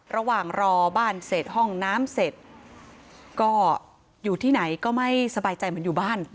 ระหว่างรอบ้านเสร็จห้องน้ำเสร็จก็อยู่ที่ไหนก็ไม่สบายใจเหมือนอยู่บ้าน